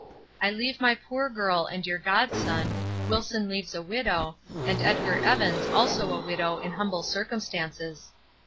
I leave my poor girl and your godson, Wilson leaves a widow, and Edgar Evans also a widow in humble circumstances.